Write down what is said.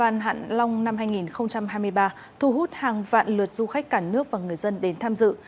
năm hai nghìn hai mươi ba thu hút hàng vạn lượt du khách cả nước và người dân đến tham dự